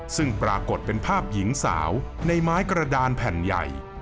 ซึ่งปรากฏเป็นภาพหญิงสาวในไม้กระดานแผ่นใหญ่